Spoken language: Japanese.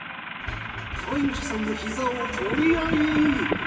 飼い主さんのひざを取り合い。